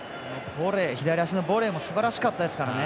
左足のボレーもすばらしかったですからね。